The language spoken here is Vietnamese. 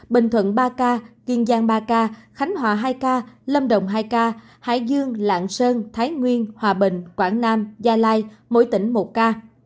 bình thuận ba ca kiên giang ba ca khánh hòa hai ca lâm đồng hai ca hải dương lạng sơn thái nguyên hòa bình quảng nam gia lai mỗi tỉnh một ca